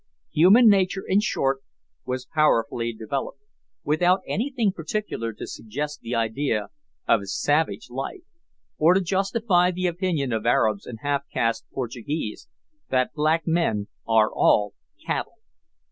Human nature, in short, was powerfully developed, without anything particular to suggest the idea of "savage" life, or to justify the opinion of Arabs and half caste Portuguese that black men are all "cattle."